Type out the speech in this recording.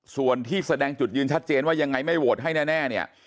ส่วนที่แสดงจุดยืนชัดเจนว่ายังไงไม่โหวตให้แน่เนี่ย